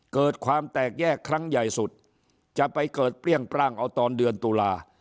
เกิดความแตกแยกครั้งใหญ่สุดจะไปเกิดเปรี้ยงปร่างเอาตอนเดือนตุลา